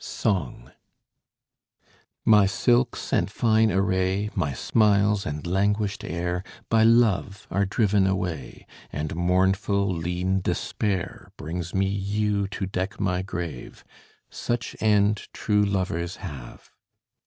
SONG My silks and fine array, My smiles and languished air, By love are driven away, And mournful lean Despair Brings me yew to deck my grave: Such end true lovers have.